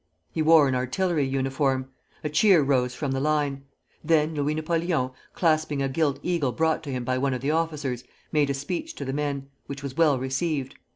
He wore an artillery uniform. A cheer rose from the line. Then Louis Napoleon, clasping a gilt eagle brought to him by one of the officers, made a speech to the men, which was well received.